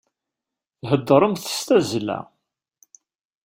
Theddṛemt s tazzla.